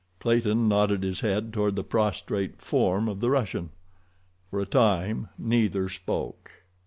Clayton nodded his head toward the prostrate form of the Russian. For a time neither spoke.